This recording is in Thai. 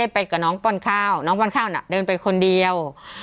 ไปกับน้องป้อนข้าวน้องป้อนข้าวน่ะเดินไปคนเดียว